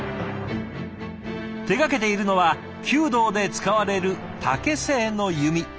手がけているのは弓道で使われる竹製の弓和弓。